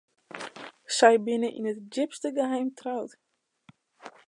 Sy binne yn it djipste geheim troud.